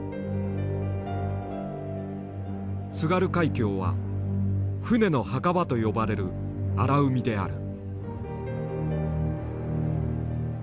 津軽海峡は船の墓場と呼ばれる荒海である。